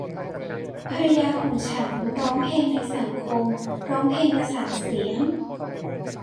ภรรยาของฉันร้องเพลงในสังคมร้องเพลงประสานเสียง